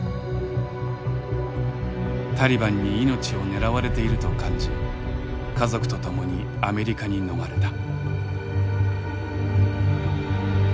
タリバンに命を狙われていると感じ家族と共にアメリカに逃れた。